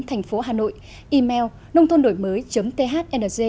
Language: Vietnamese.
thành phố hà nội email nôngthonđổimới thnj